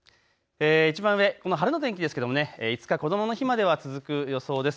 いちばん上晴れの天気ですけれど５日こどもの日までは続く予想です。